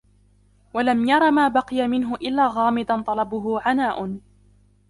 وَلَمْ يَرَ مَا بَقِيَ مِنْهُ إلَّا غَامِضًا طَلَبُهُ عَنَاءٌ